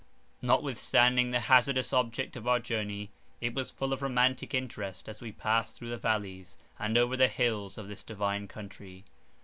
Notwithstanding the hazardous object of our journey, it was full of romantic interest, as we passed through the vallies, and over the hills, of this divine country.